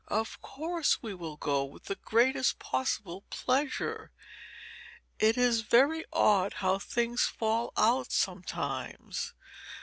"Of course we will go, with the greatest possible pleasure. It is very odd how things fall out sometimes.